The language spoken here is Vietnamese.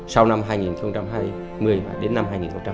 sau năm hai nghìn hai mươi đến năm hai nghìn một mươi năm